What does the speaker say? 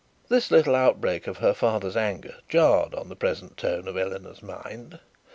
This little outbreak of her father's anger jarred on the present tone of Eleanor's mind.